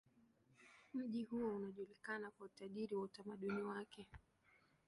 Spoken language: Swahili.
Mji huo unajulikana kwa utajiri wa utamaduni wake.